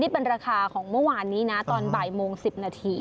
เป็นราคาของเมื่อวานนี้นะตอนบ่ายโมง๑๐นาที